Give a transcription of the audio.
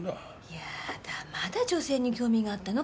嫌だまだ女性に興味があったの？